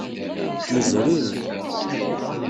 Nezriri.